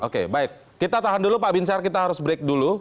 oke baik kita tahan dulu pak binsar kita harus break dulu